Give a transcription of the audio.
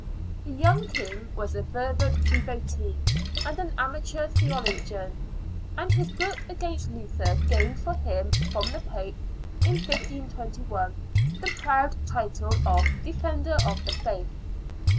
The young King was a fervent devotee, and an amateur theologian, and his book against Luther gained for him from the Pope, in 152 1, the proud title of Defender of the Faith.